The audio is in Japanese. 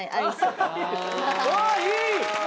ああいい！